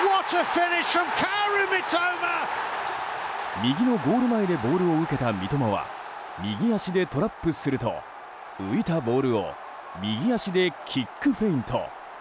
右のゴール前でボールを受けた三笘は右足でトラップすると浮いたボールを右足でキックフェイント。